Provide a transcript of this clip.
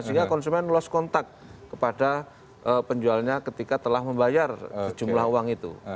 sehingga konsumen lost contact kepada penjualnya ketika telah membayar sejumlah uang itu